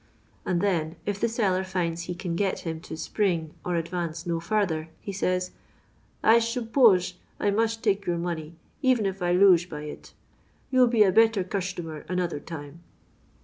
And then, if the seller finds he can get him to spring" or advance no further, he says, " I shup posh I musht take your money even if I looah by it. Tou '11 be a better cushtomer anoder time."